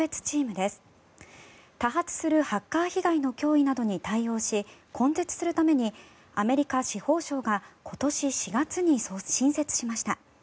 多発するハッカー被害の脅威などに対応し根絶するためにアメリカ司法省が今年４月に新設しました。